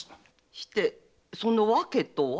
してその理由とは？